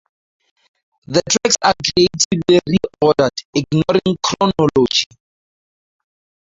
The tracks are creatively re-ordered, ignoring chronology.